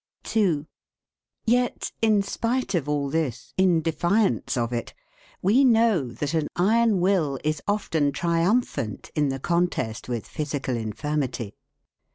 II. Yet in spite of all this, in defiance of it, we know that an iron will is often triumphant in the contest with physical infirmity.